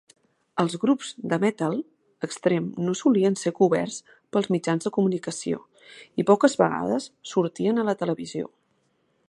Els grups de "metal" extrem no solien ser coberts pels mitjans de comunicació i poques vegades sortien a la televisió.